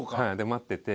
待ってて。